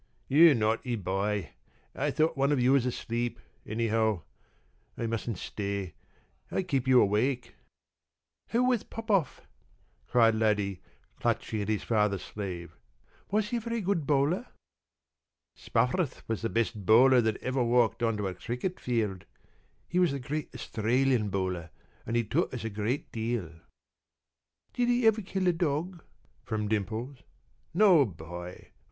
p> "You naughty boy! I thought one of you was asleep, anyhow. I mustn't stay. I keep you awake." "Who was Popoff?" cried Laddie, clutching at his father's sleeve. "Was he a very good bowler?" "Spofforth was the best bowler that ever walked on to a cricket field. He was the great Australian Bowler and he taught us a great deal." "Did he ever kill a dog?" from Dimples. "No, boy.